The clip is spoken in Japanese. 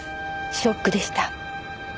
ショックでした。